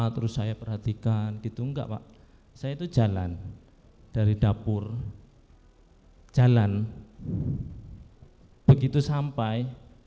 terus saya perhatikan gitu enggak pak saya itu jalan dari dapur jalan begitu sampai